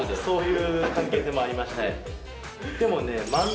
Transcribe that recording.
そういう関係性もありましてでもね